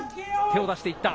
手を出していった。